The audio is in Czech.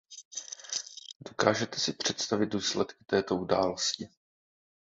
Dokážete si představit důsledky této události.